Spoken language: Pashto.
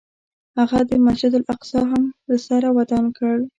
هغه مسجد الاقصی هم له سره ودان کړ.